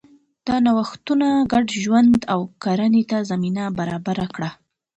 دا نوښتونه ګډ ژوند او کرنې ته زمینه برابره کړه.